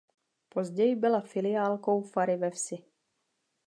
Později byla filiálkou fary ve Vsi.